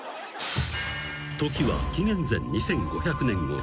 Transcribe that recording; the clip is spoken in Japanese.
［時は紀元前２５００年ごろ］